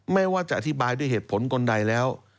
ไม่ว่าจะอธิบายด้วยเหตุผลคนใดแล้ว